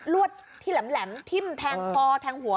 วดที่แหลมทิ้มแทงคอแทงหัว